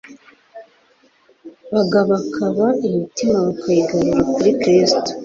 bagakabakaba imitima bakayigarura kuri Kristo.